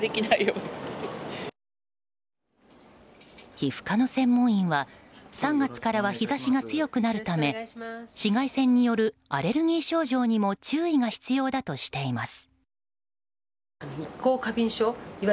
皮膚科の専門医は３月からは日差しが強くなるため紫外線によるアレルギー症状にも注意が必要だとしています。